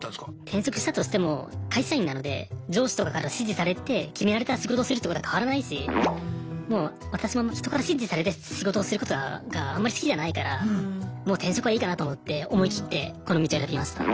転職したとしても会社員なので上司とかから指示されて決められた仕事をするってことは変わらないし私も人から指示されて仕事をすることがあんまり好きじゃないからもう転職はいいかなと思って思い切ってこの道を選びました。